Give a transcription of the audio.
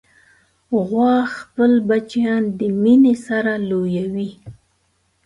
غوا خپل بچیان د مینې سره لویوي.